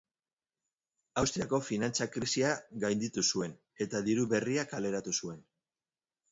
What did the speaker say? Austriako finantza-krisia gainditu zuen, eta diru berria kaleratu zuen.